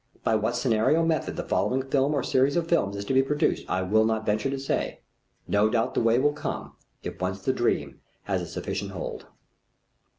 By what scenario method the following film or series of films is to be produced I will not venture to say. No doubt the way will come if once the dream has a sufficient hold.